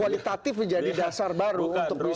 kualitatif menjadi dasar baru untuk bisa